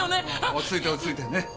落ち着いて落ち着いて。